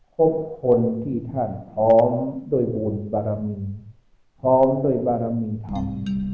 พบคนที่ท่านท้อมโดยบุญปรมีท้อมโดยปรมีธรรม